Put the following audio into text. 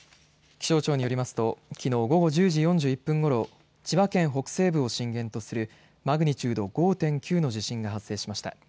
気象庁によりますときのう午後１０時４１分ごろ千葉県北西部を震源とするマグニチュード５．９の地震が発生しました。